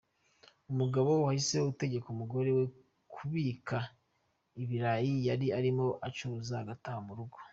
Umugabo yahise ategeka umugore we kubika ibirayi yari arimo acuruza agataha mu rugo.